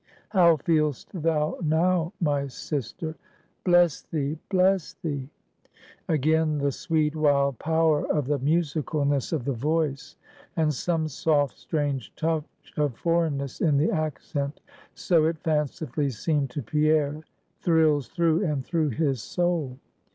"How feel'st thou now, my sister?" "Bless thee! bless thee!" Again the sweet, wild power of the musicalness of the voice, and some soft, strange touch of foreignness in the accent, so it fancifully seemed to Pierre, thrills through and through his soul.